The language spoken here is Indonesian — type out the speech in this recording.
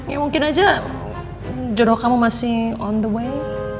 ya mungkin aja juruh kamu masih on the way